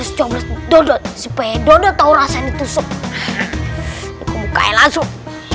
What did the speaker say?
execoble dodot supaya dua tahun rasa itu sub kain langsung